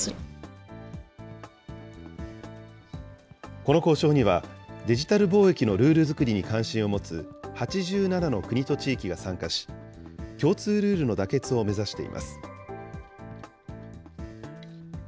この交渉には、デジタル貿易のルール作りに関心を持つ８７の国と地域が参加し、共通ルールの妥結を目指しています。